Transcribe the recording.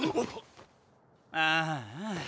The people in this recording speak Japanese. ああ。